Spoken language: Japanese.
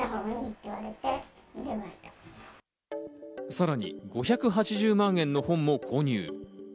さらに５８０万円の本も購入。